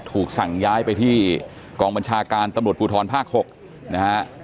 ถูกสั่งย้ายไปที่กองบัญชาการตำรวจภูทรภาค๖นะฮะ